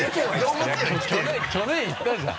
去年行ったじゃん！